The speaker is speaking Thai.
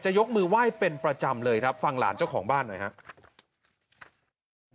ยกมือไหว้เป็นประจำเลยครับฟังหลานเจ้าของบ้านหน่อยครับ